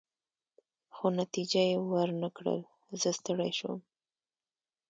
خو نتیجه يې ورنه کړل، زه ستړی شوم.